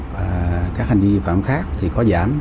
và các hành vi phạm khác thì có giảm